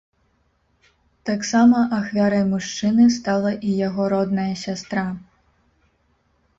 Таксама ахвярай мужчыны стала і яго родная сястра.